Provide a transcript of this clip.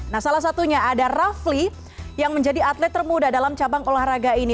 nah salah satunya ada rafli yang menjadi atlet termuda dalam cabang olahraga ini